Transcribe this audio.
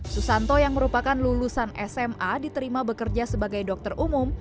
susanto yang merupakan lulusan sma diterima bekerja sebagai dokter umum